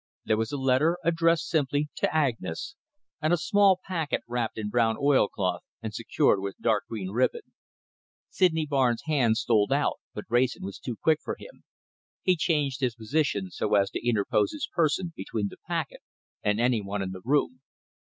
There was a letter addressed simply to Agnes, and a small packet wrapped in brown oilcloth and secured with dark green ribbon. Sydney Barnes' hand stole out, but Wrayson was too quick for him. He changed his position, so as to interpose his person between the packet and any one in the room.